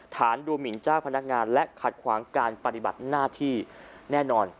ดูหมินเจ้าพนักงานและขัดขวางการปฏิบัติหน้าที่แน่นอน